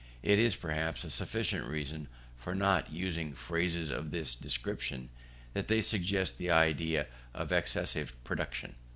And it is, perhaps, a sufficient reason for not using phrases of this description, that they suggest the idea of excessive production.